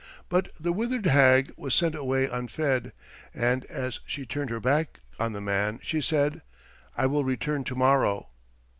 But the withered hag was sent away unfed, and as she turned her back on the man she said, 'I will return to morrow.'